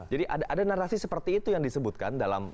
jadi ada narasi seperti itu yang disebutkan dalam